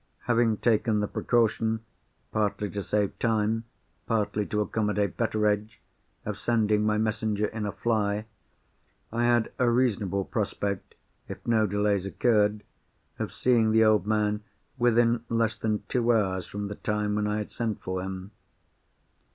Having taken the precaution—partly to save time, partly to accommodate Betteredge—of sending my messenger in a fly, I had a reasonable prospect, if no delays occurred, of seeing the old man within less than two hours from the time when I had sent for him.